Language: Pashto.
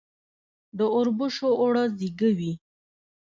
د اوربشو اوړه زیږه وي.